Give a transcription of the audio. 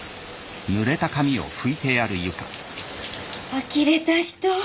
あきれた人！